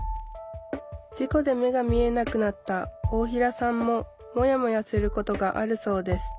事故で目が見えなくなった大平さんもモヤモヤすることがあるそうです